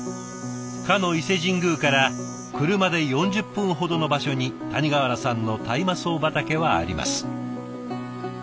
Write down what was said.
かの伊勢神宮から車で４０分ほどの場所に谷川原さんの大麻草畑はあります。